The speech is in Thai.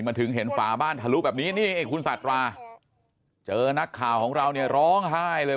มาถึงเห็นฝาบ้านทะลุแบบนี้นี่คุณสาธาเจอนักข่าวของเราเนี่ยร้องไห้เลย